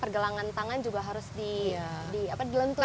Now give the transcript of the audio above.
pergelangan tangan juga harus dilenturin dulu